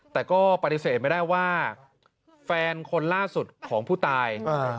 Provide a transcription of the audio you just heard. แต่ก็ปฏิเสธไม่ได้ว่าแฟนคนล่าสุดของผู้ตาย